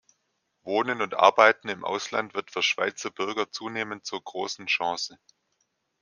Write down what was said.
Wohnen und Arbeiten im Ausland wird für Schweizer Bürger zunehmend zur großen Chance.